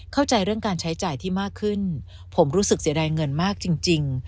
เข้าใจเรื่องการใช้จ่ายที่มากขึ้นผมรู้สึกเสียดายเงินมากจริง